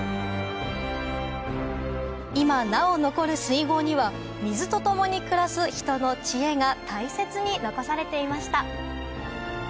今なお残る水郷には水と共に暮らす人の知恵が大切に残されていました